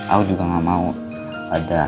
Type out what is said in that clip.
aku juga gak mau ada